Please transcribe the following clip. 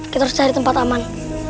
kita harus cari tempat aman